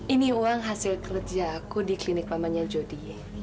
ini uang hasil kerja aku di klinik pamannya jody